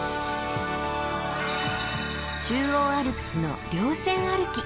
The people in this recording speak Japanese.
中央アルプスの稜線歩き。